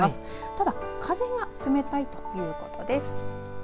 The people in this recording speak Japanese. ただ風は冷たいということです。